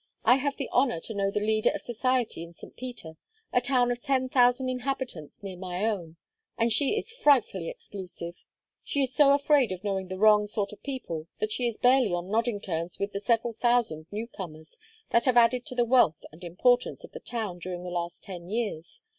I have the honor to know the leader of society in St. Peter a town of ten thousand inhabitants near my own and she is frightfully exclusive. She is so afraid of knowing the wrong sort of people that she is barely on nodding terms with the several thousand new comers that have added to the wealth and importance of the town during the last ten years.